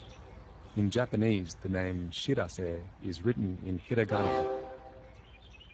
In Japanese, the name "Shirase" is written in "hiragana".